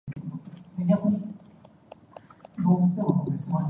信貸評級為負面